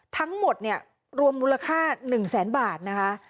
ทั้งหมดเนี่ยรวมมูลค่า๑แสนบาทนะคะ